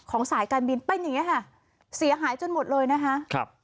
ของสายการบินไปเหนียวค่ะเสียหายจนหมดเลยนะคะ